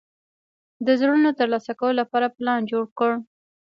د زړونو ترلاسه کولو لپاره پلان جوړ کړ.